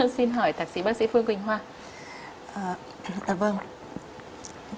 xin hỏi tạc sĩ bác sĩ phương quỳnh hoa